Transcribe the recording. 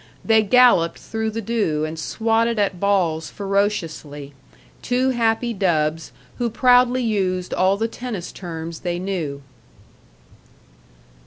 They galloped through the dew and swatted at balls ferociously two happy dubs who proudly used all the tennis terms they knew.